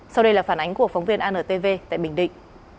sau đây là phản ánh của phóng viên antv tại bình định